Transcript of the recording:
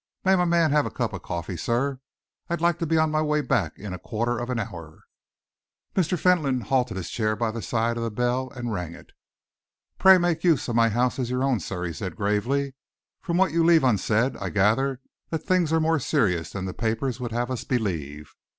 May my man have a cup of coffee, sir? I'd like to be on the way back in a quarter of an hour." Mr. Fentolin halted his chair by the side of the bell, and rang it. "Pray make use of my house as your own, sir," he said gravely. "From what you leave unsaid, I gather that things are more serious than the papers would have us believe.